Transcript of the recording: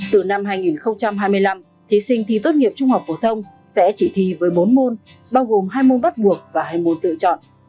từ năm hai nghìn hai mươi năm thí sinh thi tốt nghiệp trung học phổ thông sẽ chỉ thi với bốn môn bao gồm hai môn bắt buộc và hai môn tự chọn